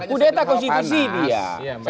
udeta konstitusi dia